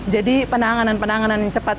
jadi penanganan penanganan yang cepat